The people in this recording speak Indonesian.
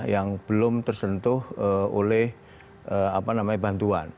yang belum tersentuh oleh bantuan